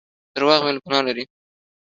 درواغ ويل ګناه لري